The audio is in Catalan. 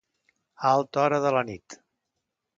A alta hora de la nit.